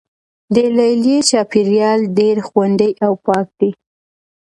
د لیلیې چاپیریال ډیر خوندي او پاک دی.